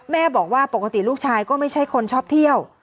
แม่บอกว่าปกติลูกชายก็ไม่ใช่คนชอบเที่ยว